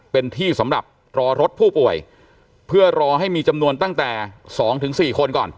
เป็นที่สำหรับรอรถผู้ป่วยเพื่อรอให้มีจำนวนตั้งแต่๒๔คนก่อน